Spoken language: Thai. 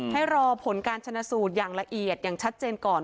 ให้รอผลการชนะสูตรอย่างละเอียดอย่างชัดเจนก่อน